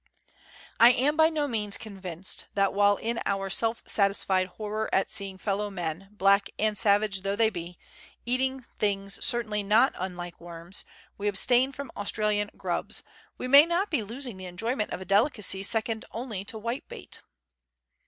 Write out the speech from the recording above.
I am by no means convinced that, while in o,ur self satisfied horror at seeing fellow men, black and savage though they be, eating things certainly not unlike worms, we abstain from Australian grubs, we may not be losing the enjoyment of a delicacy second only to white bait.